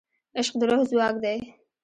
عشق د روح ځواک دی.